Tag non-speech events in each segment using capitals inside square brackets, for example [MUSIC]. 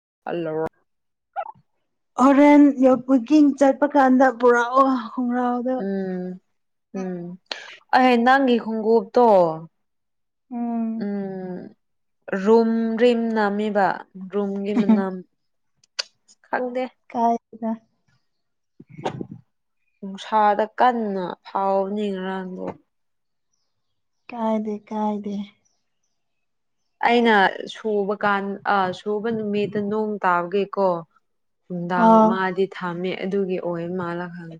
[UNINTELLIGIBLE] ꯍꯣꯔꯦꯟ [UNINTELLIGIBLE] ꯆꯠꯄ ꯀꯥꯟꯗ ꯄꯨꯔꯛꯑꯣ ꯈꯣꯡꯒ꯭ꯔꯥꯎꯗꯣ ꯑꯩꯍꯦ ꯅꯪꯒꯤ ꯈꯣꯡꯎꯞꯇꯣ ꯎꯝ ꯔꯨꯝꯔꯤꯝ ꯅꯥꯝꯃꯤꯕ ꯔꯨꯝꯒꯤ ꯃꯅꯥꯝ ꯈꯪꯗꯦ ꯗ ꯅꯨꯡꯁꯥꯗ ꯀꯟꯅ ꯐꯥꯎꯕꯅꯤ ꯉꯔꯥꯡꯗꯣ ꯀꯥꯏꯗꯦ ꯀꯥꯏꯗꯦ ꯑꯩꯅ ꯁꯨꯕ ꯀꯥꯟ ꯑ ꯁꯨꯕ ꯅꯨꯃꯤꯠꯇ ꯅꯣꯡ ꯇꯥꯕꯒꯤꯀꯣ ꯅꯨꯡꯗꯥꯡ ꯑꯥ ꯃꯥꯗꯤ ꯊꯥꯝꯃꯦ ꯑꯗꯨꯒꯤ ꯑꯣꯏ ꯃꯥꯜꯂ ꯈꯪ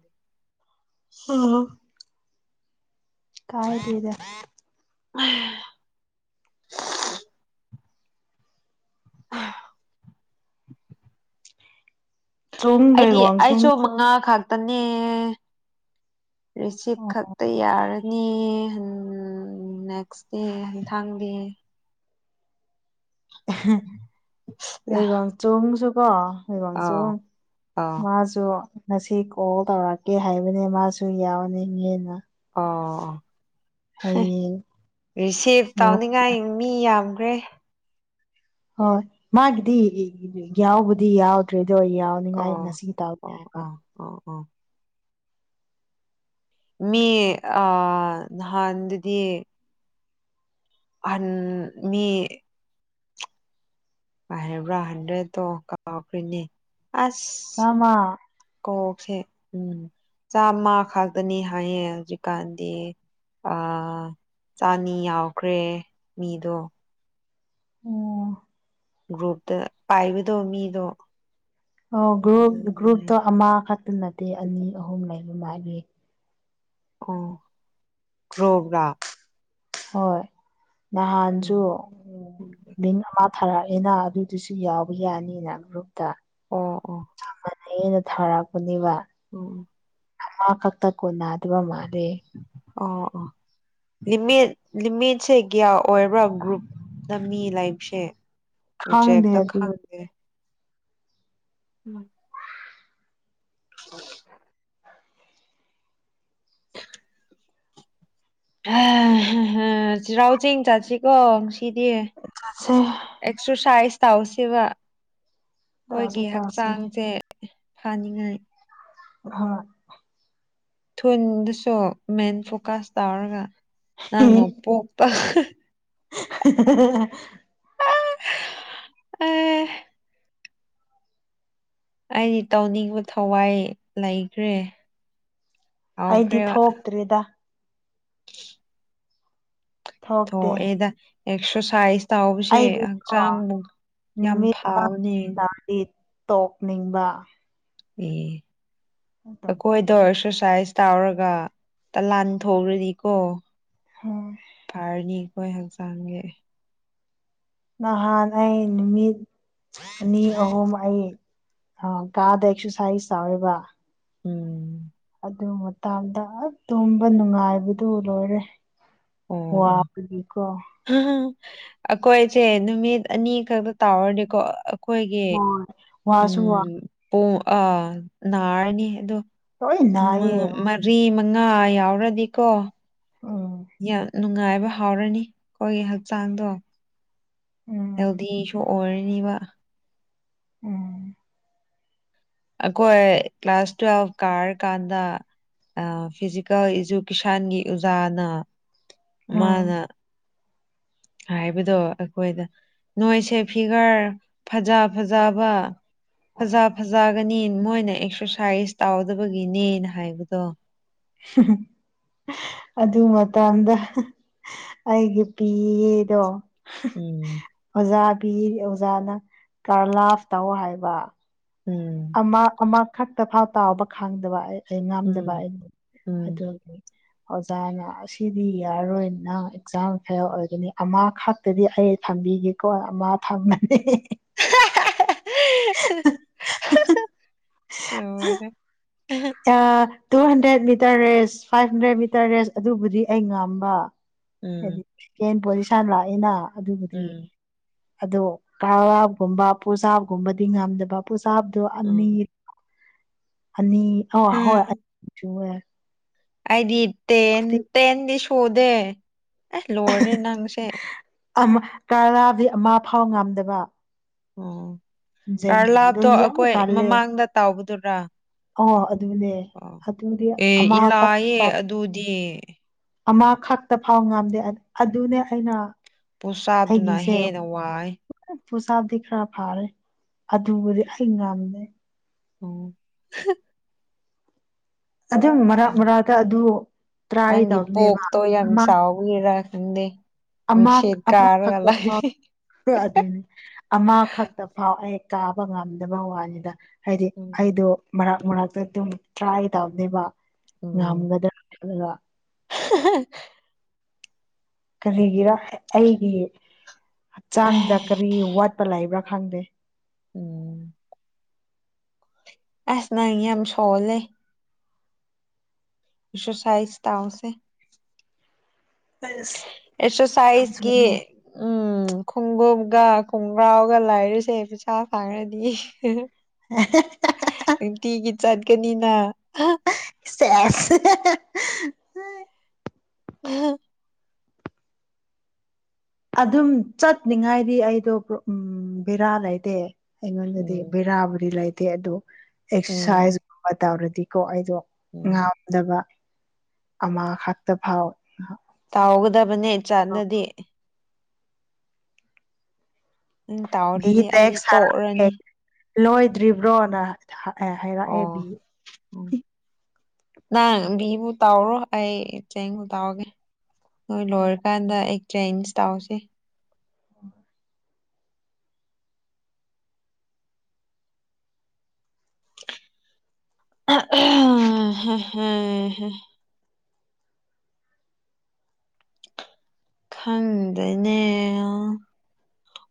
[UNINTELLIGIBLE] ꯀꯥꯢꯗꯦꯗ ꯑ [UNINTELLIGIBLE] ꯑ ꯆꯣꯡ ꯑꯩꯗꯤ ꯑꯩꯁꯨ ꯂꯩꯒꯋꯥꯡꯆꯣꯡꯁꯨ ꯃꯉꯥ ꯈꯛ ꯇꯅꯦ ꯔꯤꯁꯤꯞ ꯈꯛꯇ ꯌꯥꯔ ꯅꯦ ꯍꯟ ꯅꯦꯛꯁ ꯗꯦ [UNINTELLIGIBLE] ꯑꯍ ꯂꯥ ꯂꯩꯋꯥꯡꯆꯨꯡꯁꯨ ꯀꯣ ꯑꯥꯎ ꯂꯣꯢꯋꯥꯡꯆꯨꯡ ꯑꯥꯎ ꯃꯥꯁꯨ ꯉꯁꯤ ꯀꯣꯜ ꯇꯧꯔꯛꯀꯦ ꯍꯥꯏꯕꯅꯦ ꯃꯥꯁꯨ ꯌꯥꯎꯅꯤꯡꯉꯦꯅ ꯑꯣ ꯍ ꯍꯌꯦꯡ ꯔꯤꯁꯤꯐ ꯇꯧꯅꯤꯡꯉꯥꯏ ꯃꯤ ꯌꯥꯝ ꯈ꯭ꯔꯦ ꯍꯣꯏ ꯃꯥꯒꯤꯗꯤ ꯏ ꯏ ꯌꯥꯎꯕꯨꯗꯤ ꯌꯥꯎꯗ꯭ꯔꯦ ꯗꯣ ꯌꯥꯎꯅꯤꯡꯉꯥꯏ ꯑꯣ ꯉꯁꯤ ꯇꯥꯎ ꯑꯣ [UNINTELLIGIBLE] ꯕ ꯑꯣ ꯑꯣ ꯑꯣ ꯃꯤ ꯑꯥ ꯅꯍꯥꯟꯗꯨꯗꯤ ꯑꯍꯟ ꯃꯤ ꯄꯥꯢꯕ꯭ꯔꯥ ꯍꯟꯗ꯭ꯔꯦꯠꯇꯣ ꯀꯥꯎꯈ꯭ꯔꯤꯅꯦ ꯑꯁ ꯆꯥꯝꯃ ꯀꯣꯛ ꯁꯦ ꯎꯝ ꯆꯥꯝꯃ ꯈꯛꯇꯅꯤ ꯍꯥꯏꯌꯦ ꯍꯧꯖꯤꯛꯀꯥꯟꯗꯤ ꯑꯥ ꯆꯥꯟꯅꯤ ꯌꯥꯎꯈ꯭ꯔꯦ ꯃꯤꯗꯣ ꯑꯣ ꯒ꯭ꯔꯨꯞꯇ ꯄꯥꯏꯕꯗꯣ ꯃꯤꯗꯣ ꯑꯣ ꯒ꯭ꯔꯨꯞ ꯒ꯭ꯔꯨꯞꯇꯣ ꯑꯃ ꯈꯛꯇ ꯅꯠꯇꯦ ꯑꯅꯤ ꯑꯍꯨꯝ ꯂꯩꯕꯗꯥꯢꯅꯦ ꯑꯣ ꯒ꯭ꯔꯣꯕ ꯔꯥ ꯍꯣꯏ ꯅꯍꯥꯟꯁꯨ ꯎꯝ ꯂꯤꯟ ꯑꯝ ꯊꯥꯔꯛꯑꯦꯅ ꯑꯗꯨꯗꯨꯁꯨ ꯌꯥꯎꯕ ꯌꯥꯅꯤꯅ ꯒ꯭ꯔꯨꯞꯇ ꯑꯣꯑꯣ ꯐꯩꯌꯦꯅ ꯊꯥꯔꯛꯄꯅꯦꯕ ꯎꯝ ꯑꯃ ꯈꯛꯇ ꯀꯣꯟꯅꯗꯕ ꯃꯥꯜꯂꯦ ꯑꯣ ꯑꯣ ꯂꯤꯃꯤꯠ ꯂꯤꯃꯤꯠꯁꯦ ꯀ꯭ꯌꯥ ꯑꯣꯏꯕ꯭ꯔꯥ ꯒ꯭ꯔꯨꯞꯇ ꯂꯃꯤ ꯂꯩꯕꯁꯦ ꯈꯪꯗꯦ ꯎꯆꯦꯛꯇ ꯑꯗꯨ ꯈꯪꯗꯦ ꯎꯝ [INAUDIBLE] ꯑꯥꯍꯍ ꯆꯩꯔꯥꯎꯆꯤꯡ ꯆꯠꯁꯤꯀꯣ ꯁꯤꯗꯤ ꯆꯠꯁꯦ ꯑꯦꯛꯁꯔꯁꯥꯏꯁ ꯇꯧꯁꯦꯕ ꯇꯧꯁꯦ ꯑꯩꯈꯣꯏꯒꯤ ꯇꯧꯁꯦ ꯍꯛꯆꯥꯡꯁꯦ ꯐꯅꯤꯡꯉꯥꯏ ꯍꯣꯏ ꯊꯨꯟꯗꯨꯁꯨ ꯃꯦꯟ ꯐꯣꯀꯁ ꯇꯧꯔꯒ ꯅꯪꯅ ꯄꯣꯛꯄ ꯍꯥꯍꯥ ꯍꯍꯍ ꯑꯥ ꯑꯩ ꯑꯩꯗꯤ ꯇꯧꯅꯤꯡꯕ ꯊꯋꯥꯏ ꯂꯩꯈ꯭ꯔꯦ ꯑꯩꯗꯤ ꯍꯥꯎꯈ꯭ꯔꯦꯕ ꯊꯣꯛꯇ꯭ꯔꯦꯗ ꯊꯣꯛꯇꯦ ꯊꯣꯛꯑꯦꯗ ꯑꯦꯛꯁꯔꯁꯥꯏꯁ ꯇꯧꯕꯁꯦ ꯑꯩꯗꯤꯀꯣ ꯍꯛꯆꯥꯡꯃꯨ ꯌꯥꯝ ꯅꯨꯃꯤꯠ ꯐꯥꯕꯅꯦ ꯑꯃꯒꯤ ꯇꯥꯔꯗꯤ ꯇꯣꯛꯅꯤꯡꯕ ꯢ ꯑꯗꯣ ꯑꯩꯈꯣꯢꯗꯣ ꯑꯣꯢꯔꯁꯨ ꯁꯥꯏꯁ ꯇꯧꯔꯒ ꯇꯂꯥꯟ ꯊꯣꯛꯔꯗꯤꯀꯣ ꯐꯔꯅꯤ ꯑꯩꯈꯣꯏ ꯍꯛꯆꯥꯡꯒꯤ ꯅꯍꯥꯟ ꯑꯩ ꯅꯨꯃꯤꯠ ꯑꯅꯤ ꯑꯍꯨꯝ ꯍꯩ ꯑ ꯀꯥꯗ ꯑꯦꯛꯁꯔꯁꯥꯏꯁ ꯇꯧꯔꯒ ꯎꯝ ꯅꯣꯡꯒ ꯇꯥꯕꯗ ꯉꯍꯥꯛ ꯇꯨꯝꯕ ꯅꯨꯡꯉꯥꯏꯕꯗꯨ ꯂꯣꯏꯔꯦ ꯑꯣ ꯑꯣ ꯋꯥꯕꯒꯤ ꯀꯣ ꯑꯩꯈꯣꯏꯁꯦ ꯅꯨꯃꯤꯠ ꯑꯅꯤ ꯈꯛꯇ ꯇꯥꯎꯔꯗꯤꯀꯣ ꯑ ꯑꯩꯈꯣꯏꯒꯤ ꯍꯣꯏ ꯋꯥꯁꯨ ꯋꯥ ꯎꯝ ꯄꯨꯡ ꯑꯥ ꯅꯥꯔꯅꯤ ꯑꯗꯣ ꯂꯣꯏ ꯃ ꯅꯥꯏꯌꯦ ꯃꯔꯤ ꯃꯉꯥ ꯌꯥꯎꯔꯗꯤꯀꯣ ꯎꯝ ꯌꯥꯝ ꯅꯨꯡꯉꯥꯏꯕ ꯍꯥꯎꯔꯅꯤ ꯑꯩꯈꯣꯏꯒꯤ ꯍꯛꯆꯥꯡꯗꯣ ꯎꯝ ꯍꯦꯜꯗꯤꯁꯨ ꯑꯣꯏꯔꯅꯤꯕ ꯎꯝ ꯑꯈꯣꯏ ꯀ꯭ꯂꯥꯁ ꯇꯋꯦꯜꯐ ꯀꯥꯔ ꯀꯥꯟꯗ ꯑ ꯐꯤꯖꯤꯀꯦꯜ ꯏꯖꯨꯀꯦꯁꯟꯒꯤ ꯑꯣꯖꯥꯅ ꯎꯝ ꯃꯥꯅ ꯍꯥꯏꯕꯗꯣ ꯑꯩꯈꯣꯏꯗ ꯅꯣꯏꯁꯦ ꯐꯤꯒꯔ ꯐꯖ ꯐꯖꯕ ꯐꯖ ꯐꯖꯒꯅꯤ ꯃꯣꯏꯅ ꯑꯦꯛꯁꯔꯁꯥꯏꯁ ꯇꯧꯗꯕꯒꯤꯅꯦꯅ ꯍꯥꯏꯕꯗꯣ ꯍꯝꯍꯝ ꯑꯗꯨ ꯃꯇꯝꯗ ꯑꯩꯒꯤ ꯄꯤꯗꯣ ꯍꯥ ꯎꯝ ꯑꯣꯖꯥꯕꯤ ꯑꯣꯖꯥꯅ ꯀꯔꯂꯥꯐ ꯇꯧ ꯍꯥꯏꯕ ꯎꯝ ꯑꯃ ꯑꯃꯈꯛꯇ ꯐꯥꯎ ꯇꯥꯎꯕ ꯈꯪꯗꯕ ꯑꯩ ꯑꯩ ꯉꯥꯝꯗꯕ ꯎꯝ ꯑꯩ ꯎꯝ ꯑꯗꯨꯒꯤ ꯑꯣꯖꯥꯅ ꯑꯁꯤꯗꯤ ꯌꯥꯔꯔꯣꯏꯅ ꯑꯦꯛꯖꯥꯝ ꯐꯦꯜ ꯑꯣꯏꯒꯅꯤ ꯑꯃ ꯈꯛꯇꯗꯤ ꯑꯩ ꯊꯝꯕꯤꯒꯦꯀꯣ ꯑꯃ ꯊꯝꯃꯅꯦ ꯍꯦꯍꯦ ꯍꯥꯍꯥꯍꯥꯍꯥꯍꯥ ꯍꯥꯍꯥ ꯂꯣꯢꯔꯦ ꯑꯥ two hundred metre race five hundred metre race ꯑꯗꯨꯕꯨꯗꯤ ꯑꯩ ꯉꯝꯕ ꯍꯥꯏꯗꯤ ꯎꯝ ꯇꯦꯟ ꯄꯣꯖꯤꯁꯟ ꯂꯥꯛꯑꯦꯅ ꯑꯗꯨꯕꯨꯗꯤ ꯎꯝ ꯑꯗꯣ ꯀꯔꯥꯛꯒꯨꯝꯕ ꯄꯨꯁꯥꯞ ꯒꯨꯝꯕꯗꯤ ꯉꯝꯗꯕ ꯄꯨꯁ ꯀꯥꯕꯗꯨ ꯑꯅꯤ ꯎꯝ ꯑꯅꯤ ꯑꯣ ꯍꯣꯏ ꯎꯝ ꯆꯨꯋꯦ ꯑꯩꯗꯤ ꯇꯦꯟ ꯇꯦꯟꯗꯤ ꯁꯨꯗꯦ ꯑꯦ ꯂꯣꯏꯔꯦ ꯅꯪꯁꯦ ꯑꯃꯝ ꯇꯥꯔꯗꯤ ꯑꯃ ꯐꯥꯎ ꯉꯝꯗꯕ ꯑꯣ ꯖꯦꯡꯗꯤꯗꯣ ꯀꯥꯔꯂꯥꯞꯇꯣ ꯌꯥꯝ ꯑꯩꯈꯣꯏ ꯀꯜꯂꯦ ꯃꯃꯥꯡꯗ ꯇꯧꯕꯗꯨꯔꯥ ꯑꯣ ꯑꯗꯨꯅꯦ ꯑꯣ ꯑꯗꯨꯗꯤ ꯑꯦ ꯏꯂꯥꯏꯌꯦ ꯑꯗꯨꯗꯤ ꯑꯃ ꯈꯛꯇ ꯐꯥꯎ ꯉꯝꯗꯦ ꯑꯗꯨꯅꯦ ꯑꯩꯅ ꯄꯨꯁꯑꯞꯗꯨꯅ ꯍꯦꯟꯅ ꯋꯥꯏ ꯄꯨꯁꯑꯞꯗꯤ ꯈꯔ ꯐꯥꯔꯦ ꯑꯗꯨꯕꯨꯗꯤ ꯑꯩ ꯉꯝꯃꯦ ꯑꯣ ꯍꯥ ꯑꯗꯨꯝ ꯃꯔꯛ ꯃꯔꯛꯇ ꯑꯗꯨ ꯇ꯭ꯔꯥꯏ ꯅꯪꯒꯤ ꯇꯧꯕꯅꯦꯕ ꯄꯣꯛꯇꯣ ꯌꯥꯝ ꯑꯃ ꯆꯥꯎꯕꯒꯤꯔ ꯈꯪꯗꯦ ꯑꯃ ꯅꯨꯡꯁꯤꯠ ꯀꯥꯔꯒ ꯑꯃꯈꯛꯇ ꯂꯩ ꯐꯥꯎꯛ ꯑꯗꯦꯟꯅꯦ ꯑꯃꯈꯛꯇ ꯐꯥꯎ ꯑꯦ ꯇꯥꯕ ꯉꯝꯗꯕ ꯋꯥꯅꯤꯗ ꯍꯥꯏꯗꯤ ꯎꯝ ꯑꯩꯗꯣ ꯃꯔꯛ ꯃꯔꯛ ꯑꯗꯨꯝ ꯇ꯭ꯔꯥꯏ ꯇꯧꯕꯅꯦꯕ ꯉꯝꯒꯗꯔꯥ ꯈꯜꯂ ꯍꯥꯍꯥꯍꯥ ꯀꯔꯤꯒꯤꯔ ꯑꯩꯒꯤ ꯍꯛꯆꯥꯡꯗ ꯀꯔꯤ ꯋꯥꯠꯄ ꯂꯩꯕ꯭ꯔꯥ ꯈꯪꯗ ꯎꯝ ꯑꯦꯁ ꯅꯪ ꯌꯥꯝ ꯁꯣꯜꯂꯦ ꯁꯨꯁꯥꯏꯖ ꯇꯧꯁꯦ ꯑꯁ ꯌꯥꯝ ꯑꯦꯛꯁꯔꯁꯥꯏꯁꯒꯤ ꯊꯨꯅꯦ ꯎꯝ ꯈꯣꯡꯎꯞꯒ ꯈꯣꯡꯒ꯭ꯔꯥꯎꯒ ꯂꯥꯏꯔꯁꯦ ꯄꯩꯁꯥ ꯐꯪꯔꯗꯤ ꯍꯥꯍꯥ ꯅꯨꯡꯇꯤꯒꯤ ꯆꯠꯀꯅꯤꯅ ꯑꯍꯥ ꯁꯦꯖ ꯑꯦꯍꯦꯍꯦ ꯑ ꯑꯍꯥ ꯑꯗꯨꯝ ꯆꯠꯅꯤꯡꯉꯥꯏꯗꯤ ꯑꯩꯗꯣ ꯄꯔꯣ ꯎꯝ ꯕꯦꯔꯥ ꯂꯩꯇꯦ ꯑꯩꯉꯣꯟꯗꯗꯤ ꯎꯝ ꯕꯦꯔꯥꯕꯨꯗꯤ ꯂꯩꯇꯦ ꯑꯗꯨ ꯎꯝ ꯑꯦꯛꯁꯥꯏꯁꯀꯨꯝꯕ ꯇꯧꯔꯗꯤꯀꯣ ꯑꯩꯗꯣ ꯎꯝ ꯉꯥꯝꯗꯕ ꯑꯃ ꯈꯛꯇ ꯐꯥꯎ ꯇꯧꯒꯗꯕꯅꯦ ꯆꯠꯅꯥꯗꯤ ꯅꯪ ꯕꯤ ꯇꯥꯎꯗ꯭ꯔꯗꯤ ꯑꯩꯗꯤ ꯇꯦꯛꯁ ꯁꯔꯥꯡꯉꯦ ꯇꯣꯛꯔꯅꯤ ꯂꯣꯏꯗ꯭ꯔꯤꯕ꯭ꯔꯣꯅ ꯍꯥ ꯑꯦ ꯍꯥꯏꯔꯥꯛꯑꯦ ꯑꯣ ꯃꯤ ꯎꯝ ꯍꯨꯝ ꯅꯪ ꯕꯤꯕꯨ ꯇꯧꯔꯣ ꯑꯩ ꯆꯦꯡ ꯇꯧꯔꯒꯦ ꯅꯣꯏ ꯂꯣꯏꯔꯀꯥꯟꯗ ꯑꯩ ꯆꯦꯟꯖ ꯇꯧꯁꯦ [INAUDIBLE] ꯑꯍ ꯍ ꯍ ꯍ ꯍꯥ ꯈꯪꯗꯦꯅꯦ ꯑꯣ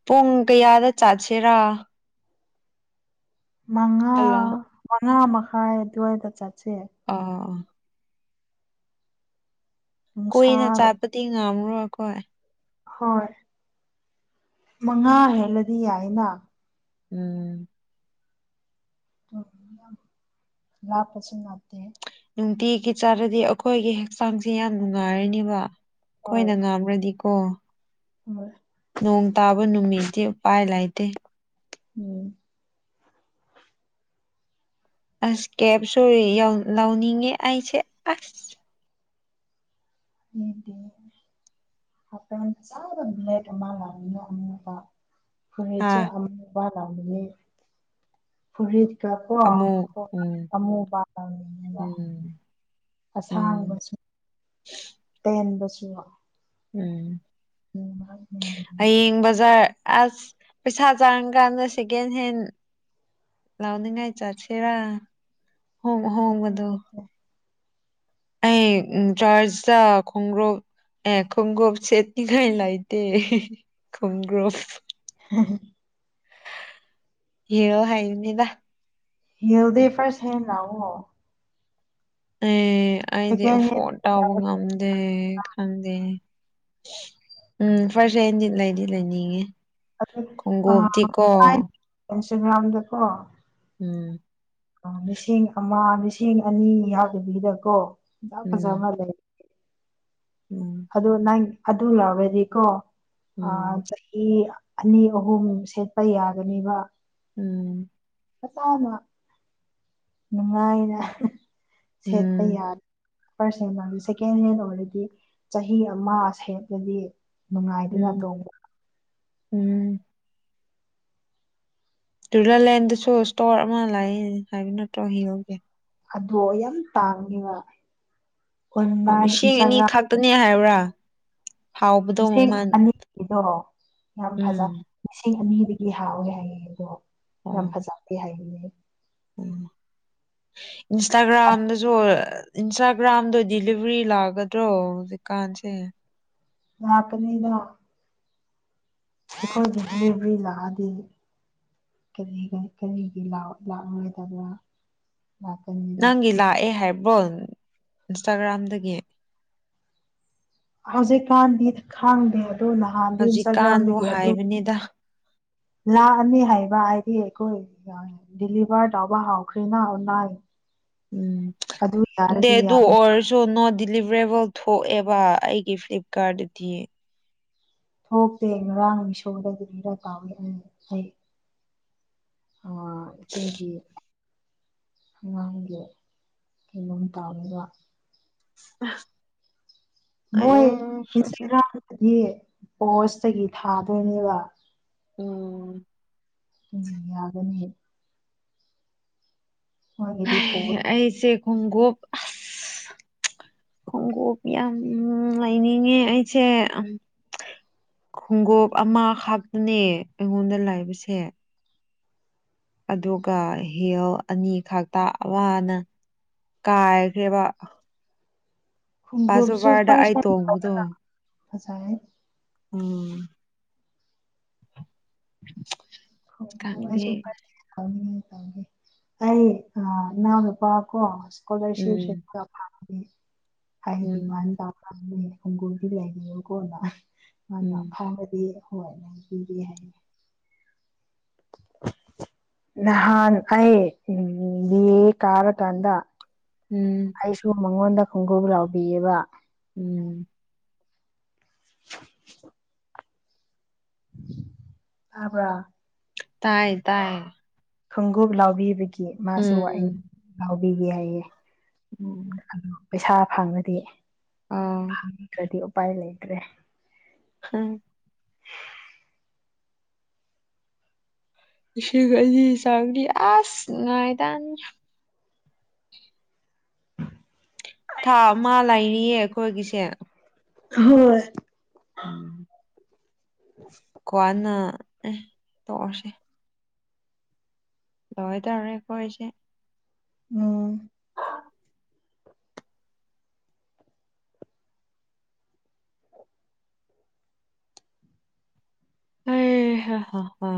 ꯄꯨꯡ ꯀꯌꯥꯗ ꯆꯠꯁꯦꯔꯥ ꯃꯉꯥ ꯍꯜꯂꯣ ꯃꯉꯥ ꯃꯈꯥꯏ ꯑꯗꯨꯋꯥꯏꯗ ꯆꯠ ꯑꯣꯑꯣ ꯅꯨꯡꯁꯥ ꯀꯨꯏꯅ ꯆꯥꯠꯄꯗꯤ ꯉꯝꯔꯣꯏ ꯈꯣꯏ ꯍꯣꯏ ꯃꯉꯥ ꯍꯦꯜꯂꯗꯤ ꯌꯥꯏꯅ ꯎꯝ ꯎꯝ ꯍꯨꯝ ꯂꯥꯞꯄꯁꯨ ꯅꯛꯑꯦ ꯅꯨꯡꯇꯤꯒꯤ ꯆꯥꯔꯗꯤ ꯑꯈꯣꯏꯒꯤ ꯍꯛꯆꯥꯡꯁꯦ ꯌꯥꯝ ꯅꯨꯡꯉꯥꯏꯔꯅꯤꯕꯥ ꯍꯣꯏ ꯑꯈꯣꯏꯅ ꯉꯥꯝꯔꯗꯤ ꯑꯣ ꯍꯣꯏ ꯅꯣꯡ ꯇꯥꯕ ꯅꯨꯃꯤꯠꯇꯤ ꯎꯄꯥꯏ ꯂꯥꯏꯇꯦ ꯎꯝ ꯑꯁ ꯀꯦꯞ ꯁꯨ ꯌꯧ ꯂꯧꯅꯤꯡꯉꯦ ꯑꯩꯁꯦ ꯑꯁ [UNINTELLIGIBLE] ꯃꯇꯝ ꯆꯥꯗꯅ ꯂꯦꯇ ꯑꯃꯥ [UNINTELLIGIBLE] ꯐꯨꯔꯤꯠꯁꯨ ꯑꯥ ꯑꯥꯃꯨꯕꯥ ꯂꯥꯟꯅꯤꯡꯏ ꯐꯨꯔꯤꯠ ꯀ ꯑꯃꯨꯛ ꯀꯣ ꯎꯝ ꯑꯃꯨꯕ ꯂꯧꯅꯤꯡꯏꯕꯥ ꯎꯝ ꯎꯝ ꯑꯁꯥꯡꯕꯁꯨ [INAUDIBLE] ꯇꯦꯟꯕꯁꯨ ꯎꯝ ꯍꯌꯦꯡ ꯕꯖꯥꯔ ꯑꯁ ꯄꯩꯁꯥ ꯆꯥꯔ ꯀꯥꯟꯗ ꯁꯦꯀꯦꯟ ꯍꯦꯟ ꯂꯥꯎꯅꯤꯡꯉꯥꯏ ꯆꯠꯁꯦꯔꯥ ꯍꯣꯡ ꯑꯍꯣꯡꯕꯗꯣ ꯑꯩ ꯆꯔ꯭ꯁꯇ ꯈꯣꯡꯒ꯭ꯔꯨꯞ ꯑꯦ ꯈꯣꯡꯒꯣꯞ ꯁꯦꯠꯅꯤꯉꯥꯏ ꯂꯥꯏꯇꯦ ꯈꯣꯡꯒ꯭ꯔꯨꯞ ꯍꯦ ꯍꯦ ꯍꯤꯔꯣ ꯍꯥꯏꯅꯤꯗꯥ ꯍꯤꯔꯗꯤ ꯐꯔꯁ ꯍꯦꯟ ꯂꯥꯑꯣ ꯑꯦ ꯑꯩꯗꯤ ꯍꯦꯟ ꯐꯣꯟ ꯇꯥꯎꯕ ꯉꯝꯗꯦ ꯈꯪꯗꯦ ꯎꯝ ꯐꯔꯁ ꯍꯦꯟꯗꯤ ꯂꯩꯗꯤ ꯂꯩꯅꯤꯡꯉꯤ ꯈꯣꯡꯒꯨꯕꯗꯤ ꯀꯣ ꯆꯃ꯭ꯔꯥꯝꯗꯀꯣ ꯎꯝ ꯑ ꯂꯤꯁꯤꯡ ꯑꯃ ꯂꯤꯁꯤꯡ ꯑꯅꯤ ꯌꯥꯎꯗꯕꯤꯗꯀꯣ ꯐꯖ ꯎꯝ ꯐꯖꯕ ꯂꯩ ꯎꯝ ꯑꯗꯨ ꯅꯪ ꯑꯗꯨ ꯂꯥꯎꯔꯗꯤꯀꯣ ꯑꯥ ꯎꯝ ꯆꯍꯤ ꯑꯅꯤ ꯑꯍꯨꯝ ꯁꯦꯠꯄ ꯌꯥꯒꯅꯦꯕꯥ ꯎꯝ ꯐꯖꯥꯅ ꯅꯨꯡꯉꯥꯏꯅ ꯁꯦꯠꯄ ꯎꯝ ꯌꯥ ꯐꯔꯁ ꯍꯦꯟꯃꯥ ꯁꯦꯀꯦꯟ ꯍꯦꯟ ꯑꯣꯏꯔꯗꯤ ꯆꯍꯤ ꯑꯃꯥ ꯁꯦꯠꯂꯗꯤ ꯅꯨꯡꯉꯥꯏꯗꯅꯥ ꯎꯝ ꯇꯣꯡꯕ ꯎꯝ ꯗꯨꯂꯥꯂꯦꯟꯗꯁꯨ ꯏꯁꯇꯣꯔ ꯑꯃ ꯂꯥꯏ ꯍꯥꯏꯕ ꯅꯠꯇ꯭ꯔꯣ ꯍꯤꯔꯣꯒꯤ ꯑꯗꯣ ꯌꯥꯝ ꯇꯥꯡꯉꯤꯕꯥ ꯑꯣ ꯑꯣꯟꯂꯥꯏꯟ ꯂꯤꯁꯤꯡ ꯑꯅꯤ ꯏꯟꯁꯇꯥꯒ꯭ꯔꯥꯝ ꯈꯛꯇꯅꯦ ꯍꯥꯏꯕ꯭ꯔꯥ ꯍꯥꯎꯕꯗꯣ ꯂꯤꯁꯤꯡ ꯃꯃꯜ ꯑꯅꯤ ꯗꯣ ꯌꯥꯝ ꯐꯖ ꯎꯝ ꯂꯤꯁꯤꯡ ꯑꯅꯤꯗꯒꯤ ꯍꯥꯎꯋꯦ ꯍꯥꯏꯌꯦ ꯑꯗꯣ ꯌꯥꯝ ꯑꯣ ꯐꯖꯗꯦ ꯍꯥꯏꯕꯅꯦ ꯎꯝ ꯏꯟꯁꯇꯥꯒ꯭ꯔꯥꯝꯗꯁꯨ ꯏꯟꯁꯇꯥꯒ꯭ꯔꯥꯝꯗꯣ ꯗꯤꯂꯤꯚ꯭ꯔꯤ ꯂꯥꯛꯒꯗ꯭ꯔꯣ ꯍꯧꯖꯤꯛꯀꯥꯟꯁꯦ ꯂꯥꯛꯀꯅꯤꯗ ꯑꯩꯈꯣꯏꯒꯤ ꯗꯤꯂꯤꯕ꯭ꯔꯤ ꯂꯥꯛꯑꯗꯤ ꯀꯔꯤꯒ ꯀꯔꯤꯒꯤ ꯂꯥ ꯂꯥꯛꯔꯣꯏꯗꯕ꯭ꯔꯥ ꯅꯪꯒꯤ ꯂꯥꯛꯑꯦ ꯍꯥꯏꯕ꯭ꯔꯣ ꯏꯟꯁꯇꯥꯒ꯭ꯔꯥꯝꯗꯒꯤ ꯍꯧꯖꯤꯛꯀꯥꯟꯗꯤ ꯈꯪꯗꯦ ꯑꯗꯨ ꯅꯍꯥꯟꯗꯤ ꯍꯧꯖꯤꯛꯀꯥꯟꯕꯨ ꯏꯟꯁꯇꯥꯒ꯭ꯔꯥꯝꯗꯒꯤ ꯑꯗꯨ ꯍꯥꯏꯕꯅꯤꯗ ꯂꯥꯛꯑꯅꯤ ꯍꯥꯏꯕ ꯍꯥꯏꯗꯤ ꯑꯩꯈꯣꯏ ꯗꯤꯂꯤꯚꯔ ꯇꯧꯕ ꯍꯧꯈ꯭ꯔꯦꯅ ꯅꯥꯏ ꯎꯝ ꯗꯦꯗꯨ ꯌꯥꯒꯅꯤ ꯑꯣꯔꯖꯨ ꯅꯣꯠ ꯗꯤꯂꯤꯚ꯭ꯔꯦꯕꯜ ꯊꯣꯛꯑꯦꯕ ꯑꯩꯒꯤ ꯐ꯭ꯂꯤꯞꯀꯥꯔꯠꯗꯗꯤ ꯊꯣꯛꯇꯦ ꯉꯔꯥꯡ ꯃꯤꯁꯣꯗ ꯗꯤꯂꯤꯚꯔ ꯇꯥꯕꯅꯦ ꯑꯩ ꯑꯥ ꯢꯆꯦꯒꯤ ꯑꯉꯥꯡꯒꯤ ꯀꯩꯅꯣꯝ ꯇꯥꯕꯅꯦꯕ ꯑꯥ ꯃꯣꯏ ꯏꯟꯁꯇꯥꯒ꯭ꯔꯥꯝꯗꯗꯤ ꯄꯣꯁꯇꯒꯤ ꯊꯥꯗꯣꯏꯅꯦꯕ ꯎꯝ ꯎꯝ ꯌꯥꯒꯅꯤ ꯃꯣꯏꯒꯤꯗꯤ ꯍꯩ ꯄꯣꯁ ꯑꯩꯁꯦ ꯈꯣꯡꯒꯨꯞ ꯑꯁ [INAUDIBLE] ꯈꯣꯡꯒꯨꯞ ꯌꯥꯝ ꯂꯩꯅꯤꯡꯉꯦ ꯑꯩꯁꯦ ꯑꯝ ꯈꯣꯡꯒꯨꯞ ꯑꯃ ꯈꯛꯇꯅꯦ ꯑꯩꯉꯣꯟꯗ ꯂꯩꯕꯁꯦ ꯑꯗꯨꯒ ꯍꯤꯜ ꯑꯅꯤꯈꯛꯇ ꯑꯃꯅ ꯀꯥꯏꯈ꯭ꯔꯦꯕ ꯈꯣꯡꯒꯨꯞꯁꯨ ꯄꯥꯁꯣꯕꯔꯗ ꯑꯩ ꯐꯔꯁ ꯍꯦꯟ ꯇꯣꯡꯕꯗꯣ ꯂꯧꯋꯣꯅ ꯐꯖꯥꯢ ꯎꯝ [INAUDIBLE] ꯈꯨꯡꯎꯞ ꯈꯪꯗꯦ ꯑꯩꯁꯨ ꯐꯥꯔꯁ ꯍꯦꯟ ꯂꯧꯅꯤꯡꯉꯦ ꯑꯩ ꯑꯥ ꯢꯅꯥꯎꯅꯨꯄꯥꯀꯣ ꯁ꯭ꯀꯣꯂꯔꯁꯤꯞꯁꯨ ꯎꯝ ꯐꯪ ꯑꯩ ꯎꯝ ꯗꯤꯃꯥꯟ ꯇꯧꯈ꯭ꯔꯕꯅꯦ ꯈꯣꯡꯒꯨꯝꯗꯤ ꯂꯩꯕꯤꯌꯣꯀꯣꯅ ꯃꯥꯅ ꯎꯝ ꯐꯪꯔꯗꯤ ꯍꯣꯏ ꯂꯩꯕꯤꯒꯦ ꯍꯥꯏꯌꯦ [INAUDIBLE] ꯅꯍꯥꯟ ꯑꯩ ꯎꯝ ꯕꯤ ꯑꯦ ꯀꯥꯔ ꯀꯥꯟꯗ ꯎꯝ ꯑꯩꯁꯨ ꯃꯉꯣꯟꯗ ꯈꯣꯡꯎꯞ ꯂꯥꯎꯕꯤꯌꯦꯕ ꯎꯝ ꯇꯥꯕ꯭ꯔ ꯇꯥꯏ ꯇꯥꯏ ꯈꯣꯡꯎꯞ ꯂꯥꯎꯕꯤꯕꯒꯤ ꯃꯥꯁꯨ ꯑꯩ ꯎꯝ ꯂꯥꯎꯕꯤꯒꯦ ꯍꯥꯏꯌꯦ ꯎꯝ ꯄꯩꯁꯥ ꯐꯪꯉꯗꯤ ꯑꯥ ꯐꯪꯗ꯭ꯔꯗꯤ ꯎꯄꯥꯏ ꯂꯩꯇ꯭ꯔꯦ ꯎꯝ ꯂꯤꯁꯤꯡ ꯑꯅꯤ ꯆꯥꯝꯔꯤ ꯑꯥꯁ ꯅꯨꯡꯉꯥꯢꯗ ꯅꯪ ꯊꯥ ꯑꯃ ꯂꯩꯔꯤꯌꯦ ꯑꯩꯈꯣꯏꯒꯤꯁꯦ ꯍꯣꯏ ꯎꯝ ꯀ꯭ꯋꯥꯅ ꯎꯝ ꯇꯧꯔꯁꯦ ꯂꯣꯏꯗꯧꯔꯦ ꯈꯣꯏꯁꯦ ꯎꯝ ꯑꯩ ꯍꯥ ꯍꯥ ꯍꯥ